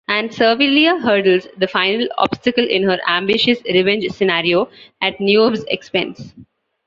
And Servilia hurdles the final obstacle in her ambitious revenge scenario, at Niobe's expense.